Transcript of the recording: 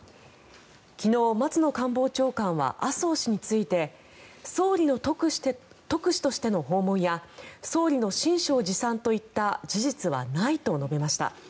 昨日、松野官房長官は麻生氏について総理の特使としての訪問や総理の親書を持参といった事実はないと述べました。